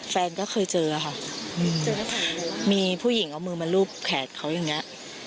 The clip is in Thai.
แฟนก็เคยเจอค่ะมีผู้หญิงเอามือมารูปแขนเขาอย่างนี้